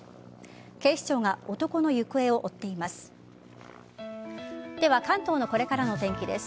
警視庁が男の行方を追っています。